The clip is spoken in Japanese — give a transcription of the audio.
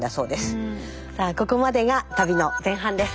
さあここまでが旅の前半です。